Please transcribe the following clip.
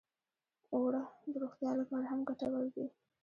اوړه د روغتیا لپاره هم ګټور دي